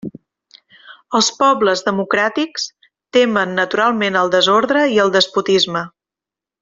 Els pobles democràtics temen naturalment el desordre i el despotisme.